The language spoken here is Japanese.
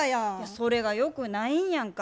それがよくないんやんか。